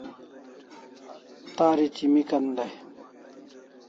Tari chimikan dai